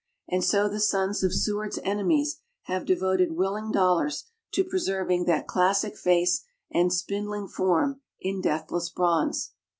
And so the sons of Seward's enemies have devoted willing dollars to preserving "that classic face and spindling form" in deathless bronze.